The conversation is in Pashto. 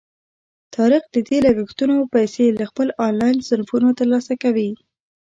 طارق د دې لګښتونو پیسې له خپلو آنلاین صنفونو ترلاسه کوي.